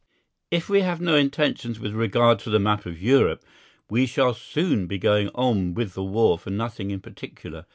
If we have no intentions with regard to the map of Europe, we shall soon be going on with the war for nothing in particular.